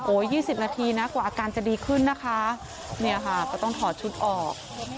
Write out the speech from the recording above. ๒๐นาทีนะกว่าอาการจะดีขึ้นนะคะเนี่ยค่ะก็ต้องถอดชุดออก